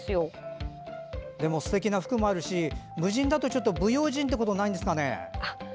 でも、すてきな服もあるし無人だと不用心ってことないんですか？